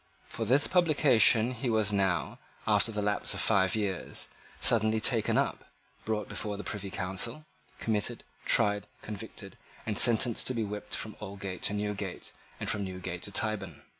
For this publication he was now, after the lapse of five years, suddenly taken up, brought before the Privy Council, committed, tried, convicted, and sentenced to be whipped from Aldgate to Newgate and from Newgate to Tyburn.